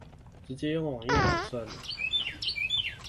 直接用網頁版算了